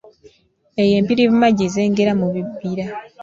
Eyo empirivuma gye zengera mu bibira.